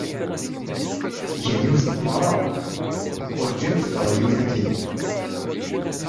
Gan yiwet n tmeɣra, urǧin d-teḍri yiwet am tin.